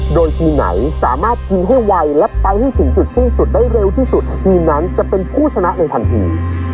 โดยทีมไหนสามารถยิงให้ไวและไปให้สูงสุดสิ้นสุดได้เร็วที่สุดทีมนั้นจะเป็นผู้ชนะในทันที